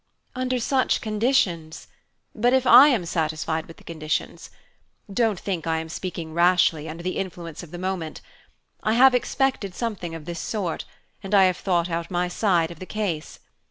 _" "Under such conditions " "But if I am satisfied with the conditions? Don't think I am speaking rashly, under the influence of the moment. I have expected something of this sort, and I have thought out my side of the case.